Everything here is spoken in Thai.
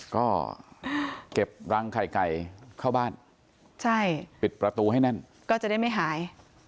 ก็เก็บรังไข่ไก่เข้าบ้านปิดประตูให้แน่นก็จะได้ไม่หาย